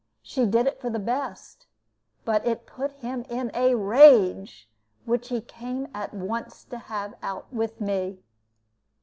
She did it for the best; but it put him in a rage, which he came at once to have out with me.